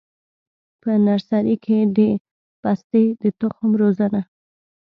په نرسري کي د پستې د تخم روزنه: